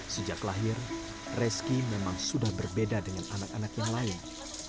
sejak lahir reski memang sudah berbeda dengan anak anak yang lain